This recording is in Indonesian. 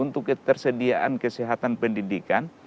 untuk tersediaan kesehatan pendidikan